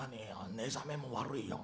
寝覚めも悪いよ。